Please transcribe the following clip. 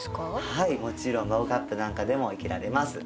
はいもちろんマグカップなんかでも生けられます。